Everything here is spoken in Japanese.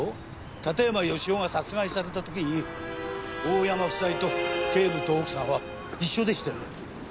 館山義男が殺害された時に大山夫妻と警部と奥さんは一緒でしたよね？